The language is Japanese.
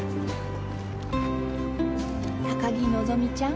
高木和希ちゃん？